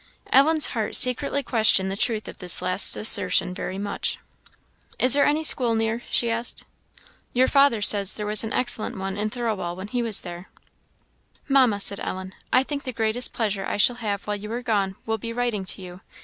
Ellen's heart secretly questioned the truth of this last assertion very much. "Is there any school near?" she asked. "Your father says there was an excellent one in Thirlwall when he was there." "Mamma," said Ellen, "I think the greatest pleasure I shall have while you are gone will be writing to you.